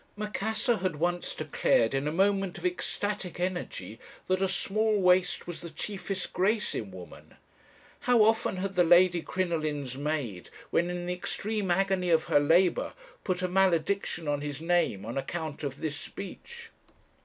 "Macassar had once declared, in a moment of ecstatic energy, that a small waist was the chiefest grace in woman. How often had the Lady Crinoline's maid, when in the extreme agony of her labour, put a malediction on his name on account of this speech!